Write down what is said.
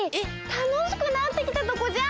たのしくなってきたとこじゃん！